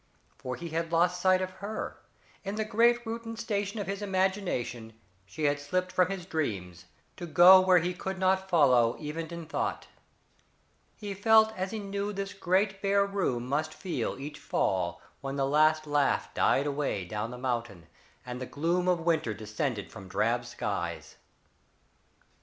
For he had lost sight of her in the great Reuton station of his imagination she had slipped from his dreams to go where he could not follow, even in thought. He felt as he knew this great bare room must feel each fall when the last laugh died away down the mountain, and the gloom of winter descended from drab skies.